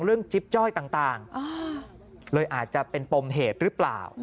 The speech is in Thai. เรื่องจิ๊บจ้อยต่างเลยอาจจะเป็นปมเหตุรึเปล่า